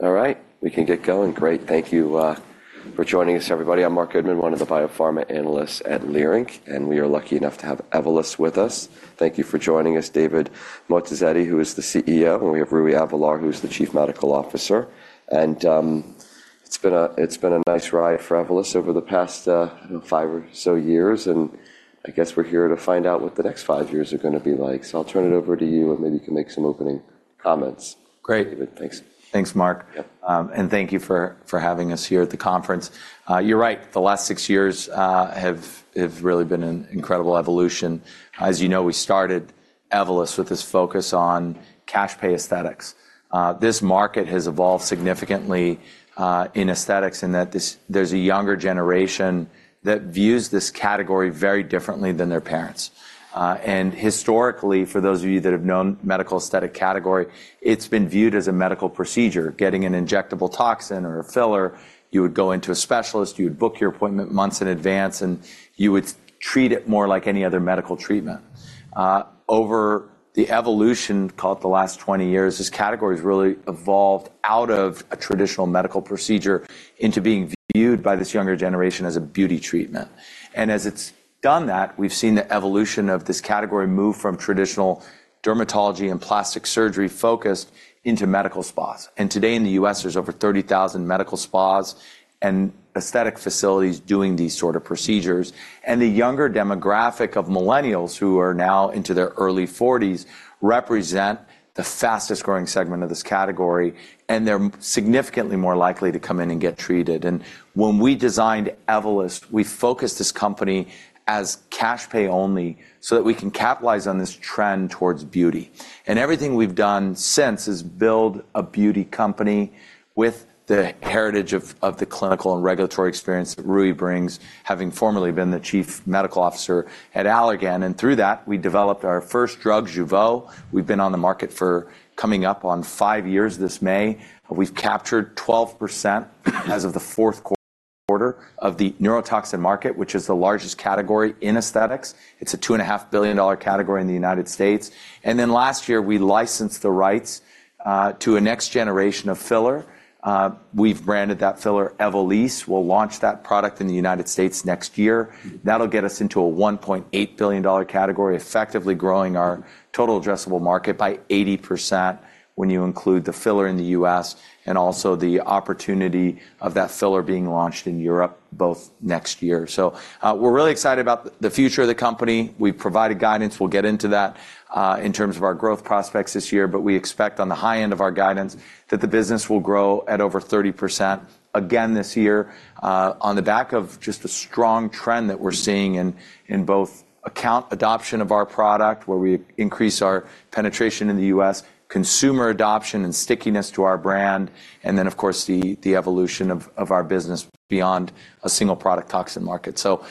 All right, we can get going. Great, thank you for joining us, everybody. I'm Marc Goodman, one of the biopharma analysts at Leerink, and we are lucky enough to have Evolus with us. Thank you for joining us, David Moatazedi, who is the CEO, and we have Rui Avelar, who's the Chief Medical Officer. It's been a nice ride for Evolus over the past 5 or so years, and I guess we're here to find out what the next 5 years are gonna be like. So I'll turn it over to you, and maybe you can make some opening comments. Great. David, thanks. Thanks, Marc. Yep. Thank you for having us here at the conference. You're right, the last six years have really been an incredible evolution. As you know, we started Evolus with this focus on cash pay aesthetics. This market has evolved significantly in aesthetics in that there's a younger generation that views this category very differently than their parents. Historically, for those of you that have known medical aesthetics category, it's been viewed as a medical procedure. Getting an injectable toxin or a filler, you would go into a specialist, you would book your appointment months in advance, and you would treat it more like any other medical treatment. Over the evolution, call it the last 20 years, this category's really evolved out of a traditional medical procedure into being viewed by this younger generation as a beauty treatment. As it's done that, we've seen the evolution of this category move from traditional dermatology and plastic surgery focused into medical spas. And today in the U.S., there's over 30,000 medical spas and aesthetic facilities doing these sort of procedures. And the younger demographic of millennials who are now into their early 40s represent the fastest-growing segment of this category, and they're significantly more likely to come in and get treated. And when we designed Evolus, we focused this company as cash pay only so that we can capitalize on this trend towards beauty. And everything we've done since is build a beauty company with the heritage of, of the clinical and regulatory experience that Rui brings, having formerly been the chief medical officer at Allergan. And through that, we developed our first drug, Jeuveau. We've been on the market for coming up on 5 years this May. We've captured 12% as of the fourth quarter of the neurotoxin market, which is the largest category in aesthetics. It's a $2.5 billion category in the United States. And then last year, we licensed the rights to a next generation of filler. We've branded that filler Evolysse. We'll launch that product in the United States next year. That'll get us into a $1.8 billion category, effectively growing our total addressable market by 80% when you include the filler in the U.S. and also the opportunity of that filler being launched in Europe both next year. So, we're really excited about the future of the company. We've provided guidance. We'll get into that, in terms of our growth prospects this year. But we expect on the high end of our guidance that the business will grow at over 30% again this year, on the back of just a strong trend that we're seeing in both account adoption of our product, where we increase our penetration in the U.S., consumer adoption and stickiness to our brand, and then, of course, the evolution of our business beyond a single product toxin market. So,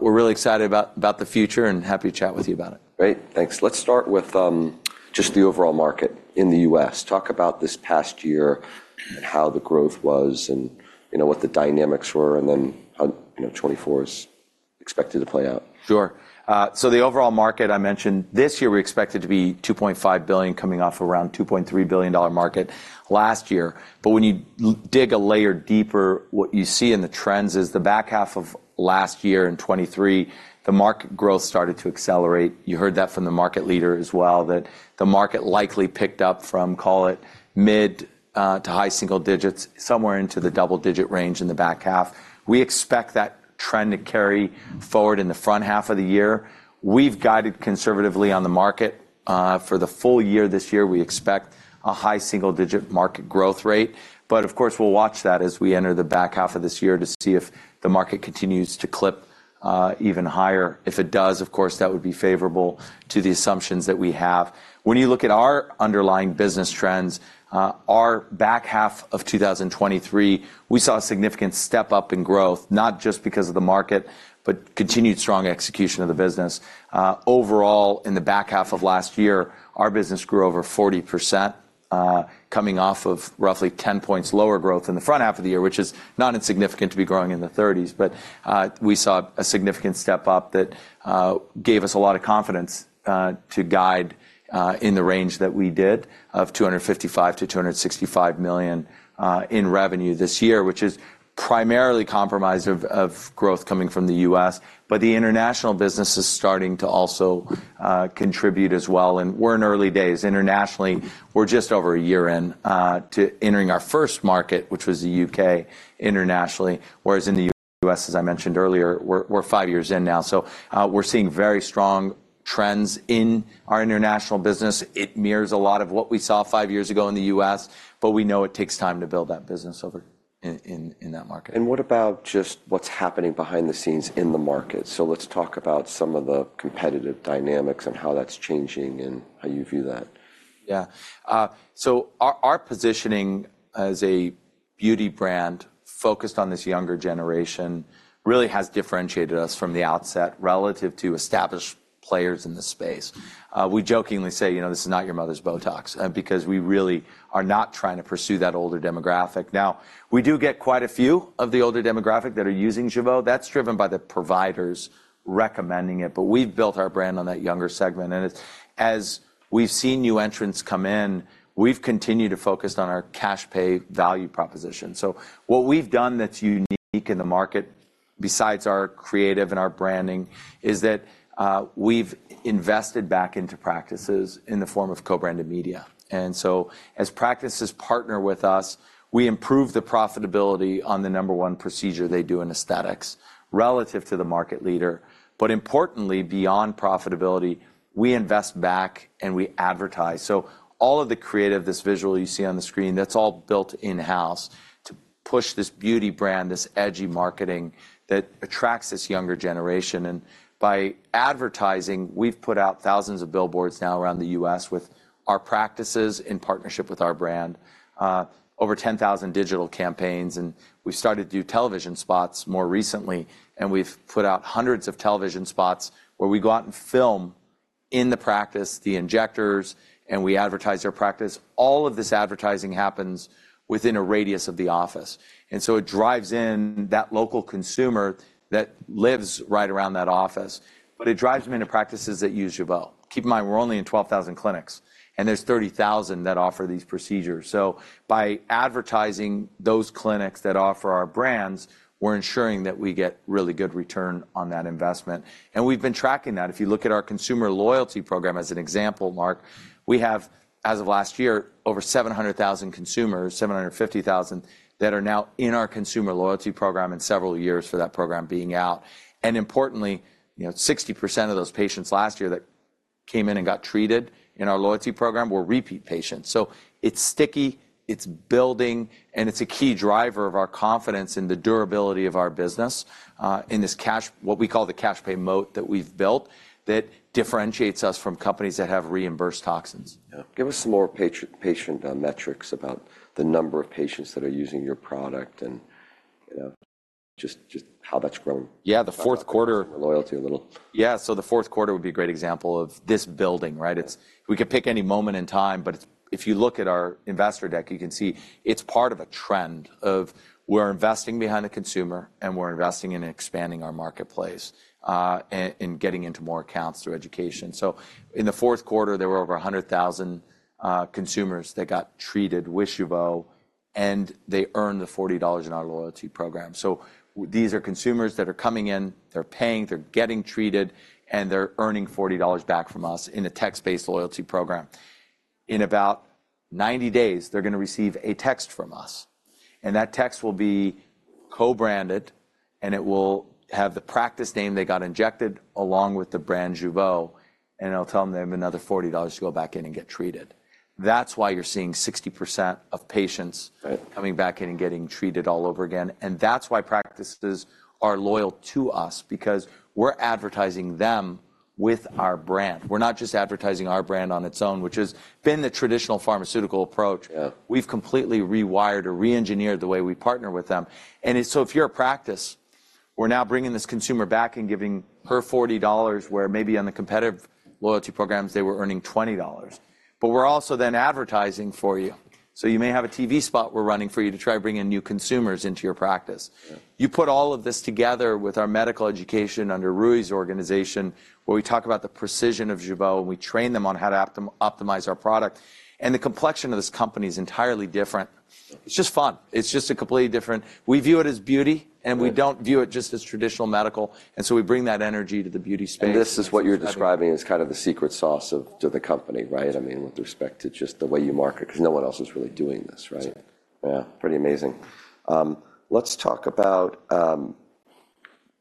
we're really excited about the future and happy to chat with you about it. Great, thanks. Let's start with just the overall market in the U.S. Talk about this past year and how the growth was and, you know, what the dynamics were, and then how, you know, 2024 is expected to play out. Sure. So the overall market I mentioned, this year we expected to be $2.5 billion, coming off around a $2.3 billion market last year. But when you dig a layer deeper, what you see in the trends is the back half of last year in 2023, the market growth started to accelerate. You heard that from the market leader as well, that the market likely picked up from, call it, mid- to high-single digits, somewhere into the double-digit range in the back half. We expect that trend to carry forward in the front half of the year. We've guided conservatively on the market. For the full year this year, we expect a high-single-digit market growth rate. But, of course, we'll watch that as we enter the back half of this year to see if the market continues to clip, even higher. If it does, of course, that would be favorable to the assumptions that we have. When you look at our underlying business trends, our back half of 2023, we saw a significant step up in growth, not just because of the market but continued strong execution of the business. Overall, in the back half of last year, our business grew over 40%, coming off of roughly 10 points lower growth in the front half of the year, which is not insignificant to be growing in the 30s. But, we saw a significant step up that gave us a lot of confidence to guide in the range that we did of $255 million-$265 million in revenue this year, which is primarily comprised of growth coming from the U.S. But the international business is starting to also contribute as well. And we're in early days. Internationally, we're just over a year in to entering our first market, which was the U.K. internationally. Whereas in the U.S., as I mentioned earlier, we're five years in now. So, we're seeing very strong trends in our international business. It mirrors a lot of what we saw five years ago in the U.S., but we know it takes time to build that business over in that market. What about just what's happening behind the scenes in the market? Let's talk about some of the competitive dynamics and how that's changing and how you view that. Yeah, so our positioning as a beauty brand focused on this younger generation really has differentiated us from the outset relative to established players in the space. We jokingly say, you know, "This is not your mother's Botox," because we really are not trying to pursue that older demographic. Now, we do get quite a few of the older demographic that are using Jeuveau. That's driven by the providers recommending it. But we've built our brand on that younger segment. And it's as we've seen new entrants come in, we've continued to focus on our cash pay value proposition. So what we've done that's unique in the market, besides our creative and our branding, is that we've invested back into practices in the form of co-branded media. As practices partner with us, we improve the profitability on the number one procedure they do in aesthetics relative to the market leader. Importantly, beyond profitability, we invest back and we advertise. All of the creative, this visual you see on the screen, that's all built in-house to push this beauty brand, this edgy marketing that attracts this younger generation. By advertising, we've put out thousands of billboards now around the U.S. with our practices in partnership with our brand, over 10,000 digital campaigns. We've started to do television spots more recently, and we've put out hundreds of television spots where we go out and film in the practice, the injectors, and we advertise their practice. All of this advertising happens within a radius of the office. It drives in that local consumer that lives right around that office. But it drives them into practices that use Jeuveau. Keep in mind, we're only in 12,000 clinics, and there's 30,000 that offer these procedures. So by advertising those clinics that offer our brands, we're ensuring that we get really good return on that investment. And we've been tracking that. If you look at our consumer loyalty program as an example, Marc, we have, as of last year, over 700,000 consumers, 750,000, that are now in our consumer loyalty program and several years for that program being out. And importantly, you know, 60% of those patients last year that came in and got treated in our loyalty program were repeat patients. So it's sticky, it's building, and it's a key driver of our confidence in the durability of our business, in this, what we call, the cash pay moat that we've built that differentiates us from companies that have reimbursed toxins. Yeah. Give us some more patient metrics about the number of patients that are using your product and, you know, just, just how that's grown? Yeah, the fourth quarter. Loyalty a little. Yeah, so the fourth quarter would be a great example of this building, right? It's we could pick any moment in time, but it's if you look at our investor deck, you can see it's part of a trend of we're investing behind a consumer, and we're investing in expanding our marketplace, and, and getting into more accounts through education. So in the fourth quarter, there were over 100,000 consumers that got treated with Jeuveau, and they earned $40 in our loyalty program. So these are consumers that are coming in, they're paying, they're getting treated, and they're earning $40 back from us in a text-based loyalty program. In about 90 days, they're gonna receive a text from us. And that text will be co-branded, and it will have the practice name they got injected along with the brand Jeuveau. It'll tell them they have another $40 to go back in and get treated. That's why you're seeing 60% of patients. Right. Coming back in and getting treated all over again. And that's why practices are loyal to us, because we're advertising them with our brand. We're not just advertising our brand on its own, which has been the traditional pharmaceutical approach. Yeah. We've completely rewired or re-engineered the way we partner with them. And it's so if you're a practice, we're now bringing this consumer back and giving her $40 where maybe on the competitive loyalty programs, they were earning $20. But we're also then advertising for you. So you may have a TV spot we're running for you to try to bring in new consumers into your practice. Yeah. You put all of this together with our medical education under Rui's organization, where we talk about the precision of Jeuveau, and we train them on how to optimize our product. The complexion of this company is entirely different. It's just fun. It's just a completely different. We view it as beauty, and we don't view it just as traditional medical. So we bring that energy to the beauty space. This is what you're describing as kind of the secret sauce of the company, right? I mean, with respect to just the way you market, 'cause no one else is really doing this, right? Yeah, pretty amazing. Let's talk about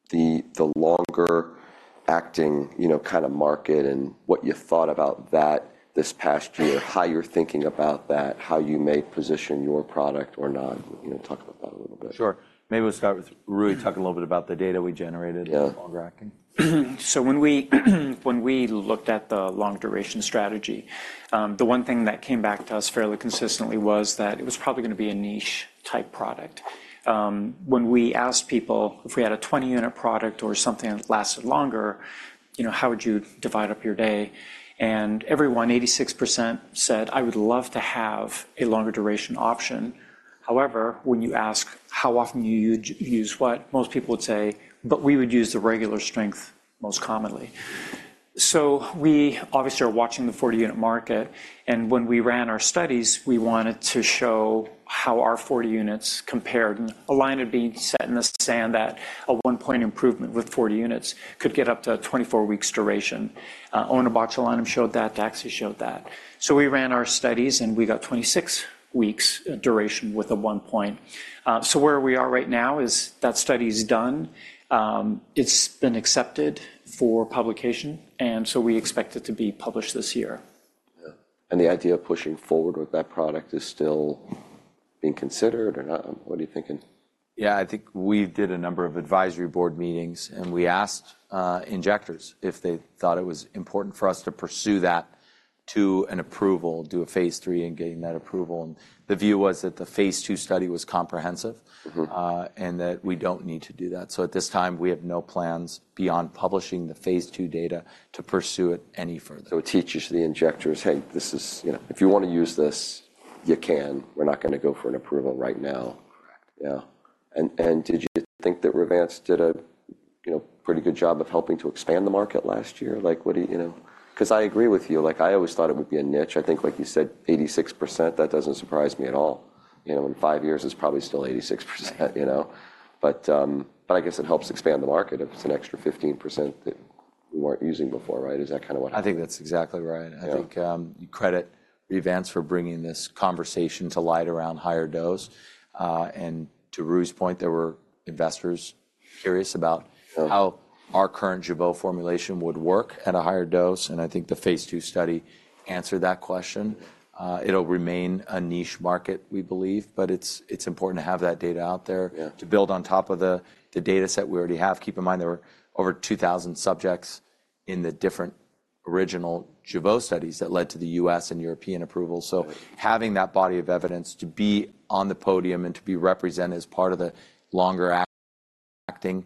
the longer-acting, you know, kind of market and what you thought about that this past year, how you're thinking about that, how you may position your product or not. You know, talk about that a little bit. Sure. Maybe we'll start with Rui talking a little bit about the data we generated. Yeah. Longer-acting. So when we looked at the long-duration strategy, the one thing that came back to us fairly consistently was that it was probably gonna be a niche-type product. When we asked people if we had a 20-unit product or something that lasted longer, you know, how would you divide up your day? And everyone, 86%, said, "I would love to have a longer-duration option." However, when you ask how often you use what, most people would say, "But we would use the regular strength most commonly." So we obviously are watching the 40-unit market. And when we ran our studies, we wanted to show how our 40 units compared, and a line had been set in the sand that a one-point improvement with 40 units could get up to 24 weeks' duration. OnabotulinumtoxinA showed that. Daxxify showed that. We ran our studies, and we got 26 weeks' duration with a one point. Where we are right now is that study's done. It's been accepted for publication, and we expect it to be published this year. Yeah. The idea of pushing forward with that product is still being considered or not? What are you thinking? Yeah, I think we did a number of advisory board meetings, and we asked injectors if they thought it was important for us to pursue that to an approval, do a phase III and getting that approval. The view was that the phase II study was comprehensive. Mm-hmm. that we don't need to do that. So at this time, we have no plans beyond publishing the phase II data to pursue it any further. So it teaches the injectors, "Hey, this is you know, if you wanna use this, you can. We're not gonna go for an approval right now. Correct. Yeah. And did you think that Revance did a, you know, pretty good job of helping to expand the market last year? Like, what do you know, 'cause I agree with you. Like, I always thought it would be a niche. I think, like you said, 86%, that doesn't surprise me at all. You know, in five years, it's probably still 86%, you know? But I guess it helps expand the market if it's an extra 15% that we weren't using before, right? Is that kinda what happened? I think that's exactly right. Yeah. I think you credit Revance for bringing this conversation to light around higher dose. And to Rui's point, there were investors curious about how our current Jeuveau formulation would work at a higher dose. And I think the phase II study answered that question. It'll remain a niche market, we believe. But it's important to have that data out there. Yeah. To build on top of the dataset we already have. Keep in mind, there were over 2,000 subjects in the different original Evolus studies that led to the U.S. and European approvals. So having that body of evidence to be on the podium and to be represented as part of the longer-acting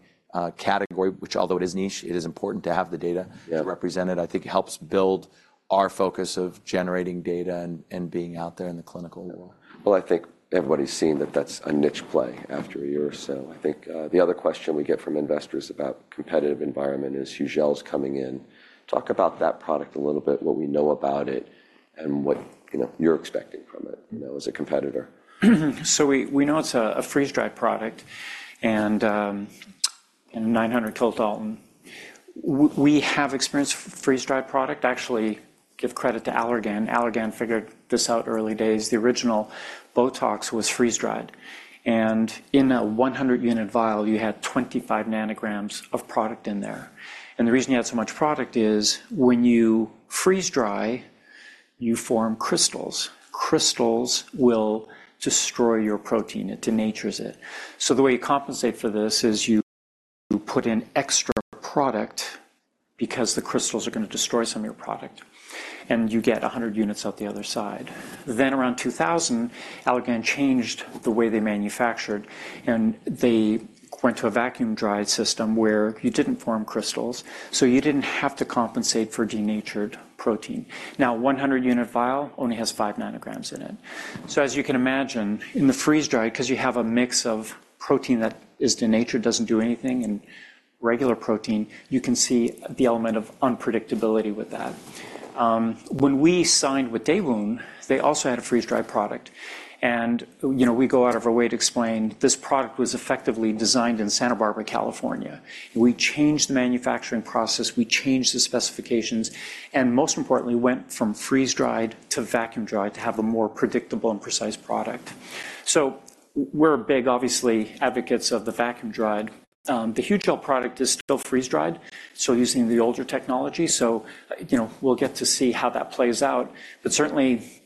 category, which although it is niche, it is important to have the data. Yeah. To represent it. I think it helps build our focus of generating data and being out there in the clinical world. Well, I think everybody's seen that that's a niche play after a year or so. I think, the other question we get from investors about competitive environment is Hugel's coming in. Talk about that product a little bit, what we know about it, and what, you know, you're expecting from it, you know, as a competitor. So we know it's a freeze-dried product. And 900 kDa. We have experience with freeze-dried product. Actually, give credit to Allergan. Allergan figured this out early days. The original Botox was freeze-dried. And in a 100-unit vial, you had 25 nanograms of product in there. And the reason you had so much product is when you freeze-dry, you form crystals. Crystals will destroy your protein. It denatures it. So the way you compensate for this is you put in extra product because the crystals are gonna destroy some of your product, and you get 100 units out the other side. Then around 2000, Allergan changed the way they manufactured, and they went to a vacuum-dried system where you didn't form crystals. So you didn't have to compensate for denatured protein. Now, a 100-unit vial only has 5 nanograms in it. So as you can imagine, in the freeze-dried 'cause you have a mix of protein that is denatured, doesn't do anything, and regular protein, you can see the element of unpredictability with that. When we signed with Daewoong, they also had a freeze-dried product. And, you know, we go out of our way to explain, "This product was effectively designed in Santa Barbara, California. We changed the manufacturing process. We changed the specifications. And most importantly, went from freeze-dried to vacuum-dried to have a more predictable and precise product." So we're big, obviously, advocates of the vacuum-dried. The Hugel product is still freeze-dried, so using the older technology. So, you know, we'll get to see how that plays out. But certainly,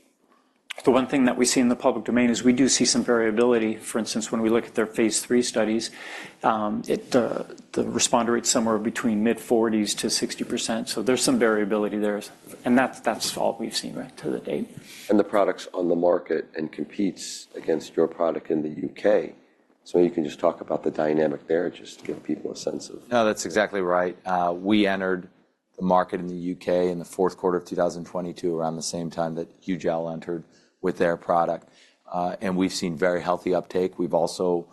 the one thing that we see in the public domain is we do see some variability. For instance, when we look at their phase III studies, the responder rate's somewhere between mid-40%-60%. So there's some variability there. And that's all we've seen, right, to date. The product's on the market and competes against your product in the U.K. Maybe you can just talk about the dynamic there just to give people a sense of. No, that's exactly right. We entered the market in the U.K. in the fourth quarter of 2022, around the same time that Hugel entered with their product. And we've seen very healthy uptake. We've also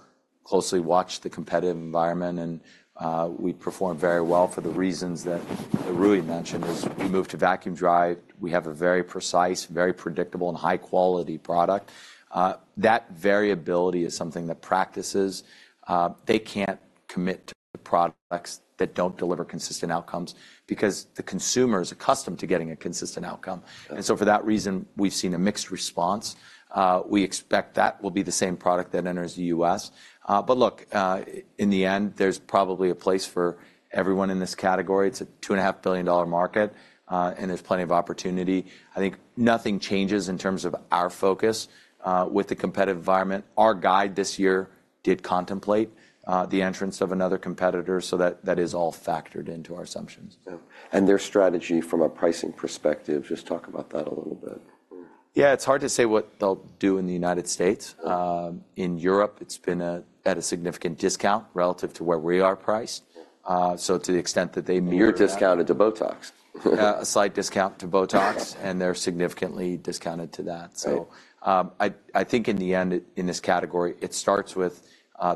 closely watched the competitive environment, and we performed very well for the reasons that Rui mentioned, is we moved to vacuum-dried. We have a very precise, very predictable, and high-quality product. That variability is something that practices, they can't commit to products that don't deliver consistent outcomes because the consumer is accustomed to getting a consistent outcome. And so for that reason, we've seen a mixed response. We expect that will be the same product that enters the U.S. But look, in the end, there's probably a place for everyone in this category. It's a $2.5 billion market, and there's plenty of opportunity. I think nothing changes in terms of our focus, with the competitive environment. Our guide this year did contemplate the entrance of another competitor, so that is all factored into our assumptions. Yeah. Their strategy from a pricing perspective, just talk about that a little bit. Yeah, it's hard to say what they'll do in the United States. In Europe, it's been at a significant discount relative to where we are priced. So to the extent that they may. You're discounted to Botox. Yeah, a slight discount to Botox, and they're significantly discounted to that. So, I, I think in the end, in this category, it starts with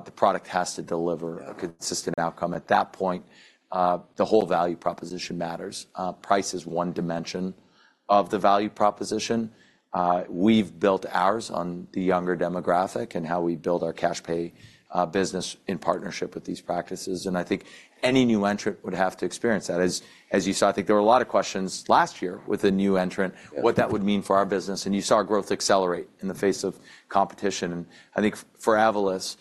the product has to deliver a consistent outcome. At that point, the whole value proposition matters. Price is one dimension of the value proposition. We've built ours on the younger demographic and how we build our cash pay business in partnership with these practices. And I think any new entrant would have to experience that. As, as you saw, I think there were a lot of questions last year with a new entrant what that would mean for our business. And you saw growth accelerate in the face of competition. And I think for Evolus,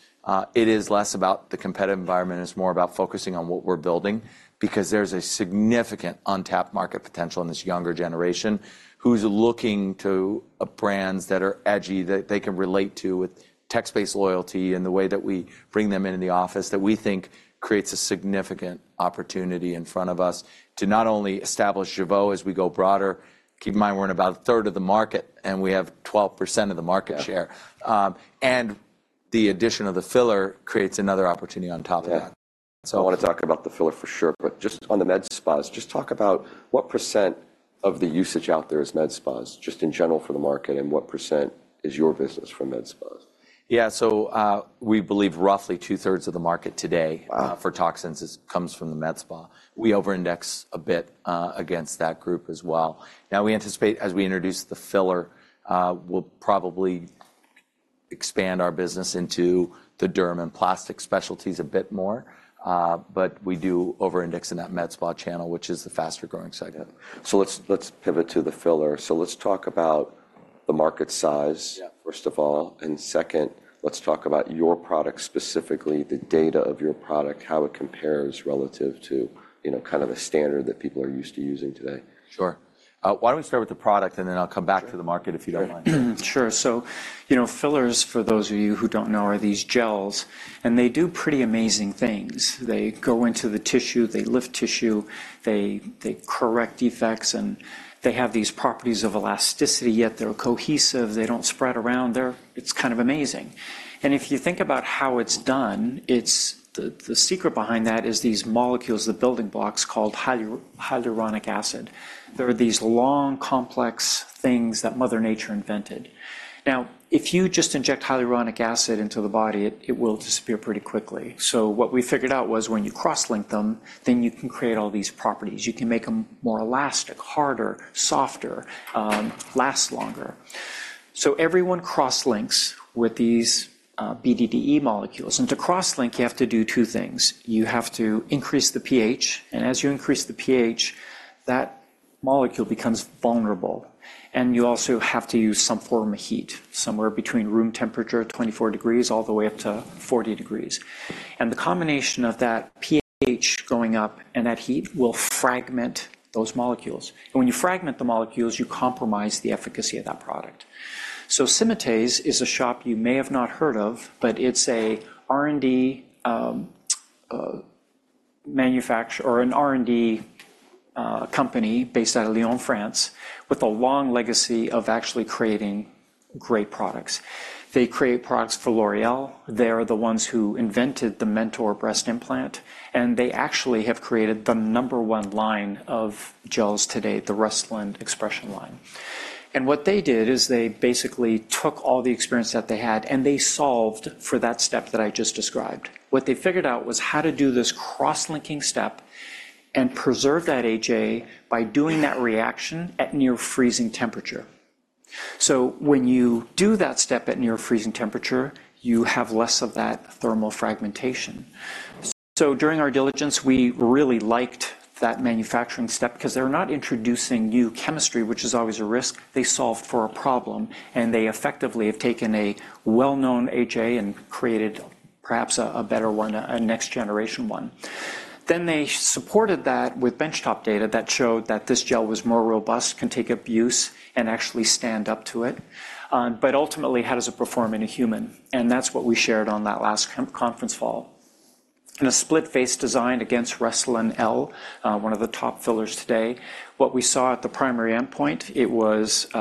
it is less about the competitive environment. It's more about focusing on what we're building because there's a significant untapped market potential in this younger generation who's looking to brands that are edgy, that they can relate to with text-based loyalty and the way that we bring them into the office that we think creates a significant opportunity in front of us to not only establish Jeuveau as we go broader, keep in mind, we're in about a third of the market, and we have 12% of the market share. And the addition of the filler creates another opportunity on top of that. Yeah. So I wanna talk about the filler for sure. But just on the med spas, just talk about what percent of the usage out there is med spas, just in general for the market, and what percent is your business from med spas? Yeah, so, we believe roughly 2/3 of the market today. Wow. For toxins is comes from the med spa. We over-index a bit against that group as well. Now, we anticipate, as we introduce the filler, we'll probably expand our business into the derm and plastic specialties a bit more. But we do over-index in that med spa channel, which is the faster-growing segment. Yeah. So let's, let's pivot to the filler. So let's talk about the market size. Yeah. First of all. Second, let's talk about your product specifically, the data of your product, how it compares relative to, you know, kind of the standard that people are used to using today. Sure. Why don't we start with the product, and then I'll come back to the market if you don't mind. Sure. So, you know, fillers, for those of you who don't know, are these gels. They do pretty amazing things. They go into the tissue. They lift tissue. They correct defects. They have these properties of elasticity, yet they're cohesive. They don't spread around. They're; it's kind of amazing. If you think about how it's done, it's the secret behind that is these molecules, the building blocks, called hyaluronic acid. They're these long, complex things that Mother Nature invented. Now, if you just inject hyaluronic acid into the body, it will disappear pretty quickly. So what we figured out was when you cross-link them, then you can create all these properties. You can make them more elastic, harder, softer, last longer. So everyone cross-links with these, BDDE molecules. To cross-link, you have to do two things. You have to increase the pH. As you increase the pH, that molecule becomes vulnerable. You also have to use some form of heat, somewhere between room temperature, 24 degrees, all the way up to 40 degrees. The combination of that pH going up and that heat will fragment those molecules. When you fragment the molecules, you compromise the efficacy of that product. So Symatese is a shop you may have not heard of, but it's a R&D, manufacturer or an R&D, company based out of Lyon, France, with a long legacy of actually creating great products. They create products for L'Oréal. They are the ones who invented the Mentor breast implant. They actually have created the number one line of gels today, the Restylane XpresHAn line. What they did is they basically took all the experience that they had, and they solved for that step that I just described. What they figured out was how to do this cross-linking step and preserve that HA by doing that reaction at near-freezing temperature. So when you do that step at near-freezing temperature, you have less of that thermal fragmentation. So during our diligence, we really liked that manufacturing step 'cause they're not introducing new chemistry, which is always a risk. They solved for a problem, and they effectively have taken a well-known HA and created perhaps a, a better one, a, a next-generation one. Then they supported that with benchtop data that showed that this gel was more robust, can take abuse, and actually stand up to it. But ultimately, how does it perform in a human? And that's what we shared on that last conference call. In a split-face design against Restylane L, one of the top fillers today, what we saw at the primary endpoint,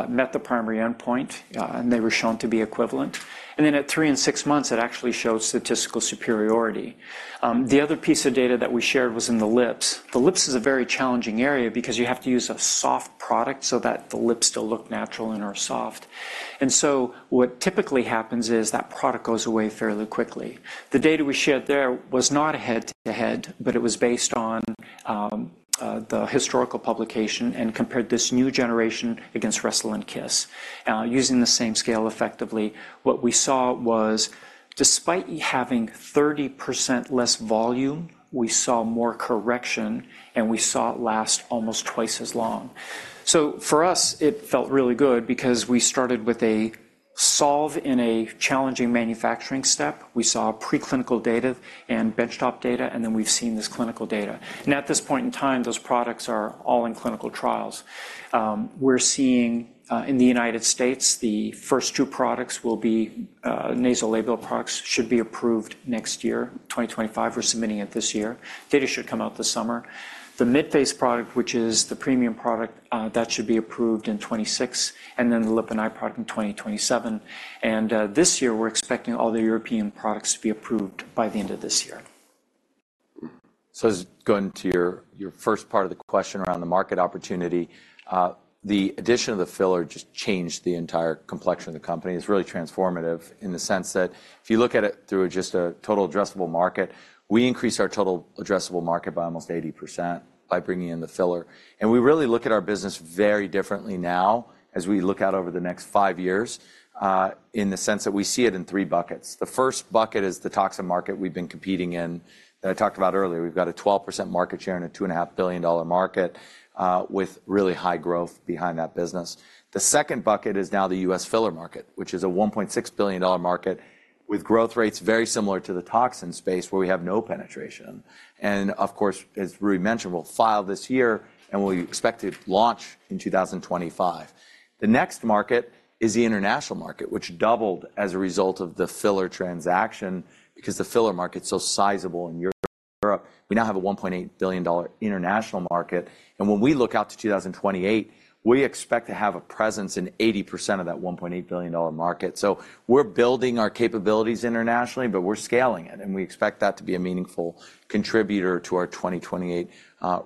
met the primary endpoint, and they were shown to be equivalent. Then at three and six months, it actually showed statistical superiority. The other piece of data that we shared was in the lips. The lips is a very challenging area because you have to use a soft product so that the lips still look natural and are soft. And so what typically happens is that product goes away fairly quickly. The data we shared there was not a head-to-head, but it was based on the historical publication and compared this new generation against Restylane Kysse. Using the same scale effectively, what we saw was, despite having 30% less volume, we saw more correction, and we saw it last almost twice as long. So for us, it felt really good because we started with a solve in a challenging manufacturing step. We saw preclinical data and benchtop data, and then we've seen this clinical data. At this point in time, those products are all in clinical trials. We're seeing, in the United States, the first two products will be, nasolabial products should be approved next year, 2025. We're submitting it this year. Data should come out this summer. The mid-face product, which is the premium product, that should be approved in 2026, and then the lip and eye product in 2027. This year, we're expecting all the European products to be approved by the end of this year. So just going to your first part of the question around the market opportunity, the addition of the filler just changed the entire complexion of the company. It's really transformative in the sense that if you look at it through just a total addressable market, we increased our total addressable market by almost 80% by bringing in the filler. We really look at our business very differently now as we look out over the next five years, in the sense that we see it in three buckets. The first bucket is the toxin market we've been competing in that I talked about earlier. We've got a 12% market share in a $2.5 billion market, with really high growth behind that business. The second bucket is now the U.S. filler market, which is a $1.6 billion market with growth rates very similar to the toxin space where we have no penetration. And of course, as Rui mentioned, we'll file this year, and we expect to launch in 2025. The next market is the international market, which doubled as a result of the filler transaction because the filler market's so sizable in Europe. We now have a $1.8 billion international market. And when we look out to 2028, we expect to have a presence in 80% of that $1.8 billion market. So we're building our capabilities internationally, but we're scaling it. And we expect that to be a meaningful contributor to our 2028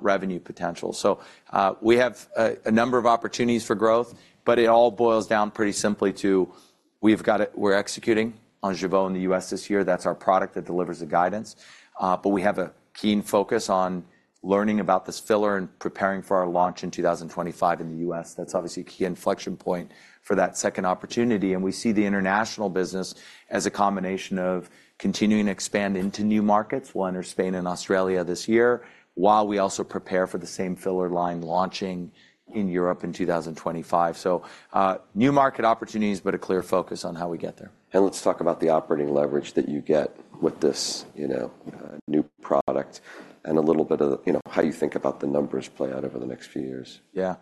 revenue potential. So, we have a number of opportunities for growth, but it all boils down pretty simply to we've got it we're executing on Jeuveau in the U.S. this year. That's our product that delivers the guidance. But we have a keen focus on learning about this filler and preparing for our launch in 2025 in the U.S. That's obviously a key inflection point for that second opportunity. And we see the international business as a combination of continuing to expand into new markets. We'll enter Spain and Australia this year while we also prepare for the same filler line launching in Europe in 2025. So, new market opportunities, but a clear focus on how we get there. Let's talk about the operating leverage that you get with this, you know, new product and a little bit of the, you know, how you think about the numbers play out over the next few years. Yeah.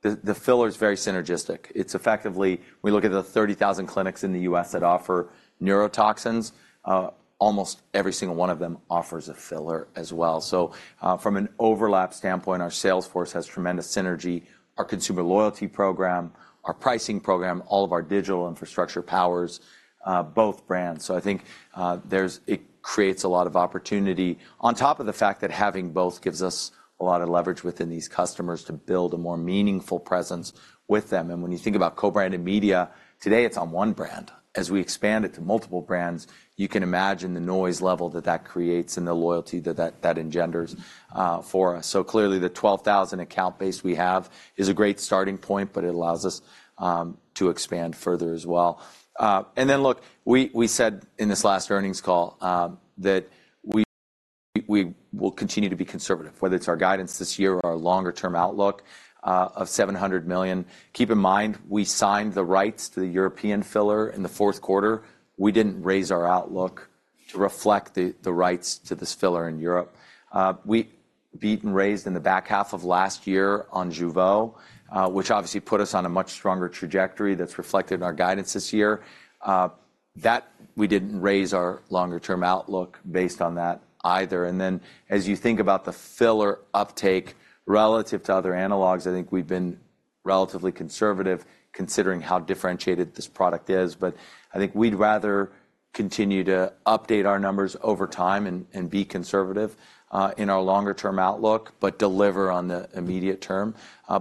The filler's very synergistic. It's effectively when you look at the 30,000 clinics in the U.S. that offer neurotoxins, almost every single one of them offers a filler as well. So, from an overlap standpoint, our sales force has tremendous synergy, our consumer loyalty program, our pricing program, all of our digital infrastructure powers, both brands. So I think, there's it creates a lot of opportunity on top of the fact that having both gives us a lot of leverage within these customers to build a more meaningful presence with them. And when you think about co-branded media, today, it's on one brand. As we expand it to multiple brands, you can imagine the noise level that that creates and the loyalty that that engenders, for us. So clearly, the 12,000 account base we have is a great starting point, but it allows us to expand further as well. And then look, we, we said in this last earnings call, that we, we will continue to be conservative, whether it's our guidance this year or our longer-term outlook of $700 million. Keep in mind, we signed the rights to the European filler in the fourth quarter. We didn't raise our outlook to reflect the, the rights to this filler in Europe. We beat and raised in the back half of last year on Jeuveau, which obviously put us on a much stronger trajectory that's reflected in our guidance this year. That we didn't raise our longer-term outlook based on that either. And then as you think about the filler uptake relative to other analogs, I think we've been relatively conservative considering how differentiated this product is. But I think we'd rather continue to update our numbers over time and be conservative in our longer-term outlook but deliver on the immediate term.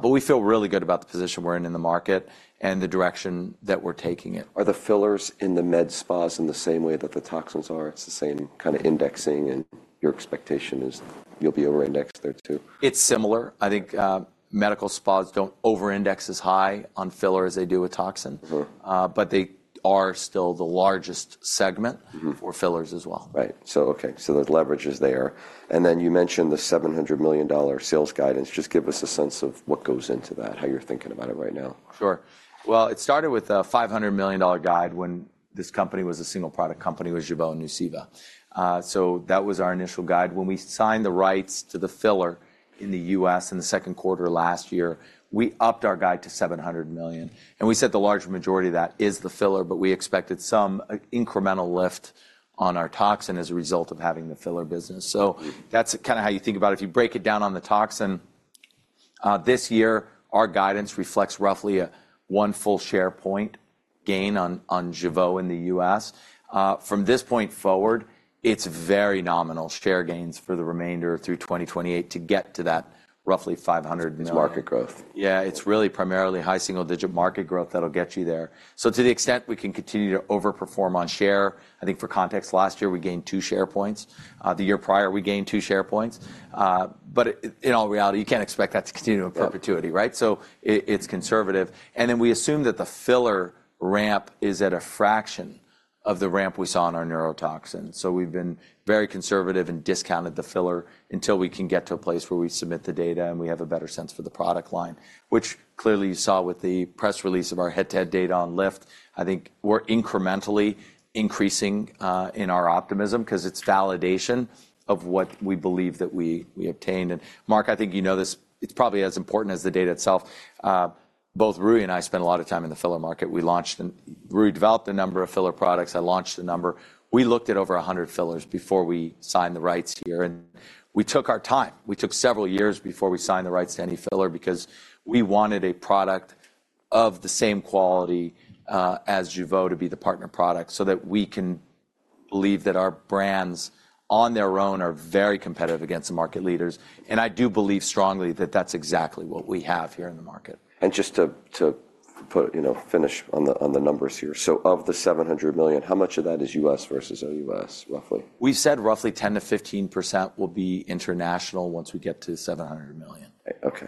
We feel really good about the position we're in the market and the direction that we're taking it. Are the fillers in the med spas in the same way that the toxins are? It's the same kind of indexing, and your expectation is you'll be over-indexed there too? It's similar. I think medical spas don't over-index as high on filler as they do with toxin. Mm-hmm. But they are still the largest segment. Mm-hmm. For fillers as well. Right. So okay. So the leverage is there. And then you mentioned the $700 million sales guidance. Just give us a sense of what goes into that, how you're thinking about it right now. Sure. Well, it started with a $500 million guide when this company was a single-product company, was Jeuveau and Nuceiva. So that was our initial guide. When we signed the rights to the filler in the U.S. in the second quarter last year, we upped our guide to $700 million. And we said the large majority of that is the filler, but we expected some incremental lift on our toxin as a result of having the filler business. So that's kind of how you think about it. If you break it down on the toxin, this year, our guidance reflects roughly a one full share point gain on Jeuveau in the U.S. From this point forward, it's very nominal share gains for the remainder through 2028 to get to that roughly $500 million. It's market growth. Yeah. It's really primarily high single-digit market growth that'll get you there. So to the extent we can continue to overperform on share, I think for context, last year, we gained 2 share points. The year prior, we gained 2 share points. But in all reality, you can't expect that to continue in perpetuity, right? So it's conservative. And then we assume that the filler ramp is at a fraction of the ramp we saw on our neurotoxin. So we've been very conservative and discounted the filler until we can get to a place where we submit the data and we have a better sense for the product line, which clearly you saw with the press release of our head-to-head data on lift. I think we're incrementally increasing in our optimism 'cause it's validation of what we believe that we obtained. And Marc, I think you know this. It's probably as important as the data itself. Both Rui and I spent a lot of time in the filler market. We launched and Rui developed a number of filler products. I launched a number. We looked at over 100 fillers before we signed the rights here. And we took our time. We took several years before we signed the rights to any filler because we wanted a product of the same quality as Jeuveau to be the partner product so that we can believe that our brands on their own are very competitive against the market leaders. And I do believe strongly that that's exactly what we have here in the market. Just to put, you know, finish on the numbers here, so of the $700 million, how much of that is U.S. versus OUS, roughly? We've said roughly 10%-15% will be international once we get to $700 million. Okay.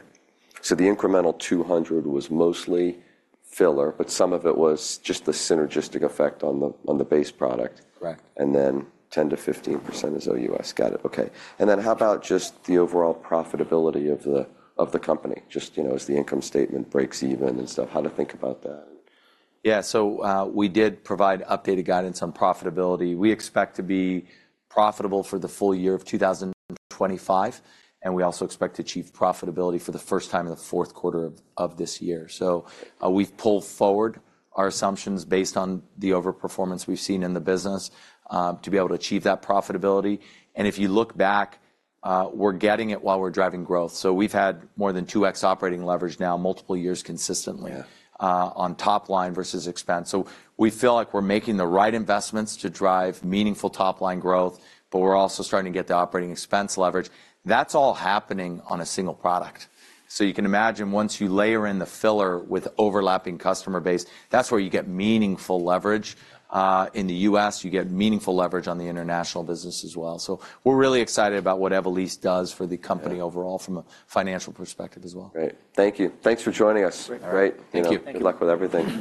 So the incremental $200 was mostly filler, but some of it was just the synergistic effect on the base product. Correct. And then 10%-15% is OUS. Got it. Okay. And then how about just the overall profitability of the company, just, you know, as the income statement breaks even and stuff? How to think about that? Yeah. So, we did provide updated guidance on profitability. We expect to be profitable for the full year of 2025, and we also expect to achieve profitability for the first time in the fourth quarter of this year. So, we've pulled forward our assumptions based on the overperformance we've seen in the business, to be able to achieve that profitability. And if you look back, we're getting it while we're driving growth. So we've had more than 2x operating leverage now, multiple years consistently. Yeah. On top line versus expense. So we feel like we're making the right investments to drive meaningful top line growth, but we're also starting to get the operating expense leverage. That's all happening on a single product. So you can imagine once you layer in the filler with overlapping customer base, that's where you get meaningful leverage in the U.S. You get meaningful leverage on the international business as well. So we're really excited about what Evolysse does for the company overall from a financial perspective as well. Great. Thank you. Thanks for joining us. Great. Great. Thank you. Good luck with everything.